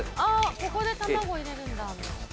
ここで卵入れるんだもう。